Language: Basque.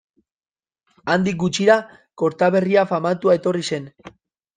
Handik gutxira, Kortaberria famatua etorri zen.